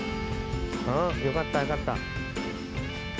うんよかったよかった。